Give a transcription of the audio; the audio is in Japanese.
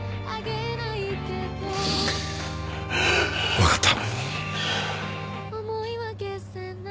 分かった。